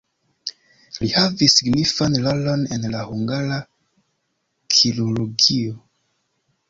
Li havis signifan rolon en la hungara kirurgio.